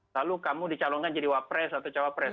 lalu kamu dicalonkan jadi wapres atau cawapres